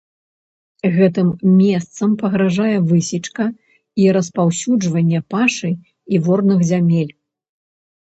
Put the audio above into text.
Гэтым месцам пагражае высечка і распаўсюджванне пашы і ворных зямель.